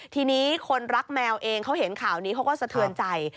ทีนี้คนรักแมวเองเขาเห็นข่าวนี้เขาก็สะเทือนใจ